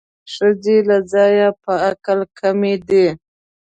ښځې له ځایه په عقل کمې دي